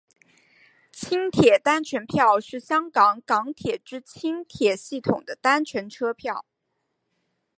轻铁单程票是香港港铁之轻铁系统的单程车票。